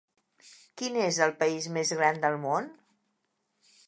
Quin és el país més gran del món?